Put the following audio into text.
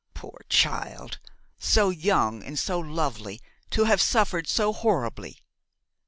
Poor child! so young and so lovely, to have suffered so horribly!